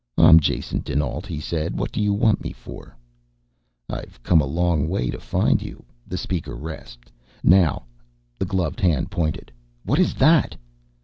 "I'm Jason dinAlt," he said. "What do you want me for?" "I've come a long way to find you," the speaker rasped. "Now" the gloved hand pointed "what is THAT?"